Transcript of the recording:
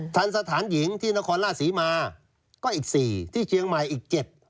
ทันสถานหญิงที่นครราชศรีมาก็อีก๔ที่เชียงใหม่อีก๗